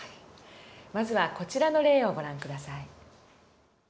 まずはこちらの例をご覧下さい。